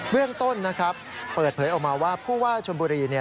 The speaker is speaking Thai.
เรื่องต้นนะครับเปิดเผยออกมาว่าผู้ว่าชนบุรีเนี่ย